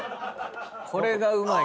これがうまい。